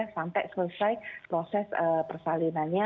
sampai selesai proses persalinannya